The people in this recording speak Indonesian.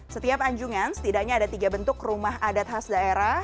setiap anjungan setidaknya ada tiga bentuk rumah adat khas daerah